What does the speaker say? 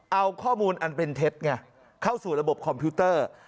เอาข้อมูลอันเป็นเท็จไงเข้าสู่ระบบคอมพิวเตอร์